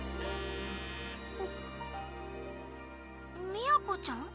都ちゃん？